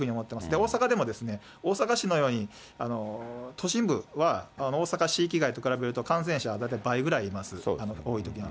大阪は大阪市のように都心部は、大阪市域外と比べれば、感染者は大体倍ぐらいいます、多いときには。